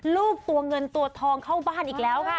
ลูกตัวเงินตัวทองเข้าบ้านอีกแล้วค่ะ